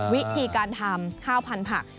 วิธีการทำข้าวพันธุ์ผัก